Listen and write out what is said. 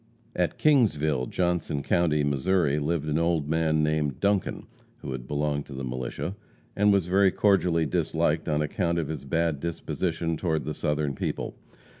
At Kingsville, Johnson county, Mo., lived an old man named Duncan, who had belonged to the militia, and was very cordially disliked on account of his bad disposition toward the Southern people.